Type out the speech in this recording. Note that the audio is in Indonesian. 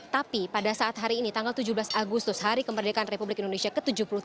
tapi pada saat hari ini tanggal tujuh belas agustus hari kemerdekaan republik indonesia ke tujuh puluh tiga